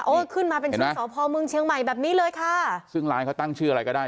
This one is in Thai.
ขึ้นมาเป็นชื่อสพเมืองเชียงใหม่แบบนี้เลยค่ะซึ่งร้านเขาตั้งชื่ออะไรก็ได้